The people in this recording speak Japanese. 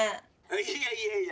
いやいやいや。